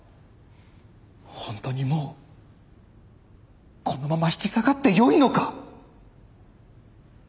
本当にもうこのまま引き下がってよいのか？